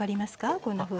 こんなふうに。